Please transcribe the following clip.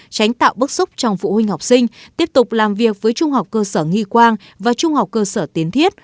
tránh tạo bức xúc trong phụ huynh học sinh tiếp tục làm việc với trung học cơ sở nghi quang và trung học cơ sở tiến thiết